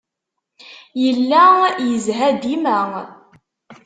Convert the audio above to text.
Yella yezha dima.